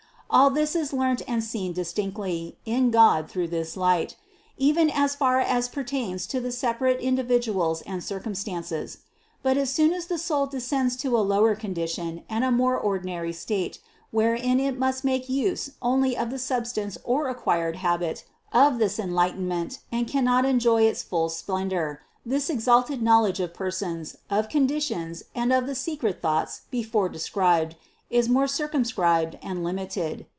All this is learnt and seen distinctly in God through this light, even as far as pertains to the separate individuals and circumstances. But as soon as the soul descends to a lower condition and a more ordi nary state, wherein it must make use only of the substance or acquired habit of this enlightenment and cannot enjoy its full splendor, this exalted knowledge of persons, of conditions, and of the secret thoughts before described is more circumscribed and limited.